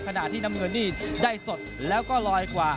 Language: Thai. ขณะที่น้ำเงินนี่ได้สดแล้วก็ลอยกว่า